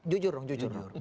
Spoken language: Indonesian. jujur dong jujur